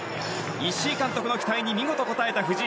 石井監督の期待に見事応えた藤井。